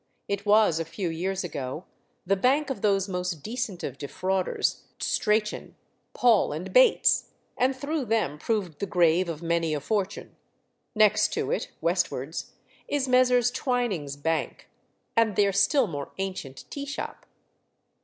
It was, a few years ago, the bank of those most decent of defrauders, Strachan, Paul, and Bates, and through them proved the grave of many a fortune. Next to it, westwards, is Messrs. Twinings bank, and their still more ancient tea shop.